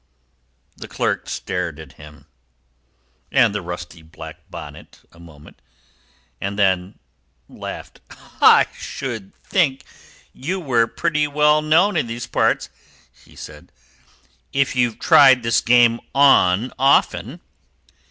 The clerk stared at him and the rusty black bonnet a moment, and then laughed. "I should think you were pretty well known in these parts," he said, "if you've tried this game on often.